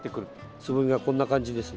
つぼみは、こんな感じですね。